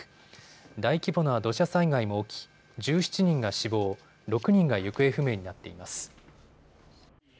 大規模な土砂災害も起き１７人が死亡、６人が行方不明になっています。